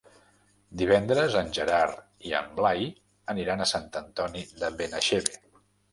Divendres en Gerard i en Blai aniran a Sant Antoni de Benaixeve.